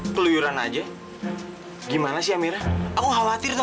terima kasih amirah